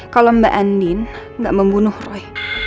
kalau mbak andin tidak membunuh roy